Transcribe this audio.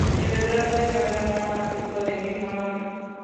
Él retrató a Charley Moon en la película del mismo nombre.